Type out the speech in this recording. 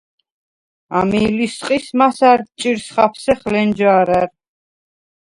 ამი ლისყის მასა̈რდ ჭირს ხაფსეხ ლენჯა̄რა̈რ.